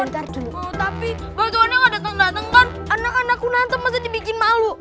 tapi bantuan yang ada tanda tanda anak anakku nantem masih bikin malu